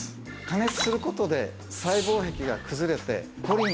加熱する事で細胞壁が崩れてコリン